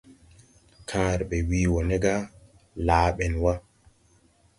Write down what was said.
Kããre ɓɛ wii wo ne ga : Laa ben wa!